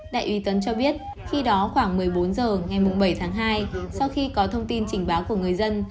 đại úy tuấn cho biết khi đó khoảng một mươi bốn h ngày bảy tháng hai sau khi có thông tin trình báo của người dân